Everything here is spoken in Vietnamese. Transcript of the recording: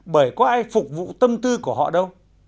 bởi có ai phục vụ tâm tư của họ đâu